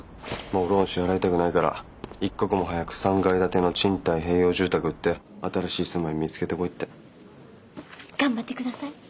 もうローン支払いたくないから一刻も早く３階建ての賃貸併用住宅売って新しい住まい見つけてこいって。頑張ってください。